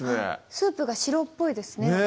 スープが白っぽいですね